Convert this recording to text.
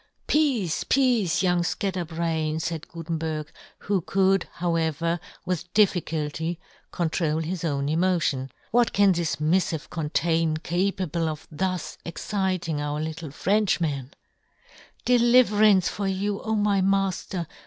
" Peace, peace, young fcatter " brain !" faid Gutenberg, who could, however, with difficulty control his own emotion. " What can this " miffive contain capable of thus " exciting our little Frenchman }" I04 yohn Gutenberg. " Deliverance for you, O my " Mailer